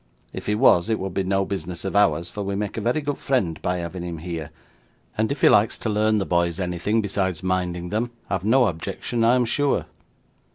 If he was, it would be no business of ours, for we make a very good friend by having him here; and if he likes to learn the boys anything besides minding them, I have no objection I am sure.